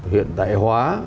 hiện đại hóa